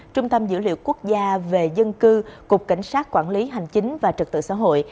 trung tâm dữ liệu quốc gia về dân cư cục cảnh sát quản lý hành chính và trật tự xã hội